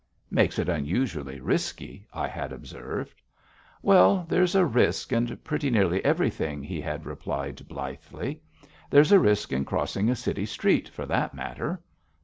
"Makes it unusually risky," I had observed. "Well, there's a risk in pretty nearly everything," he had replied blithely. "There's a risk in crossing a city street, for that matter.